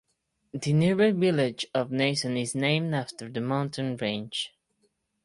The nearby village of Nason is named after the mountain range.